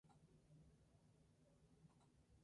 Al respecto hay dos teorías que especulan sobre su origen.